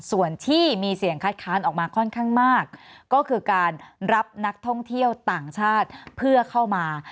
ส่วนที่มีเสียงคัดค้านออกมาค่อนข้างมากก็คือการรับนักท่องเที่ยวต่างชาติเพื่อเข้ามา